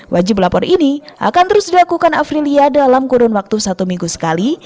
wajib lapor ini akan terus dilakukan afrilia dalam kurun waktu satu minggu sekali